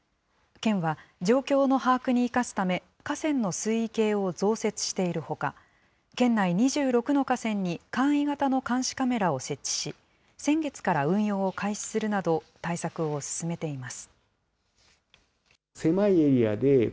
県は、状況の把握に生かすため、河川の水位計を増設しているほか、県内２６の河川に簡易型の監視カメラを設置し、先月から運用を開始するなど対策を進めています。